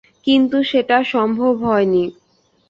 কিন্তু সেটা সম্ভব হয় নি।